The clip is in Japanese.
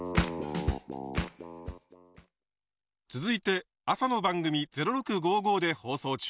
続いて朝の番組「０６５５」で放送中！